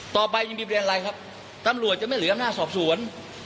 ต่อไปยังมีประเด็นอะไรครับตำรวจจะไม่เหลืออำนาจสอบสวน